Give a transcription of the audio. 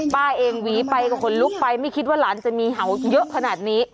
ป้าเองหวีไปก็ขนลุกไปไม่คิดว่าหลานจะมีเห่าเยอะขนาดนี้